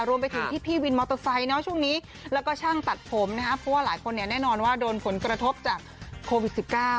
รวมไปถึงพี่วินมอเตอร์ไซค์ช่วงนี้แล้วก็ช่างตัดผมนะครับเพราะว่าหลายคนเนี่ยแน่นอนว่าโดนผลกระทบจากโควิด๑๙